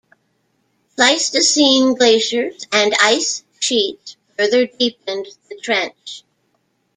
Pleistocene glaciers and ice-sheets further deepened the trench.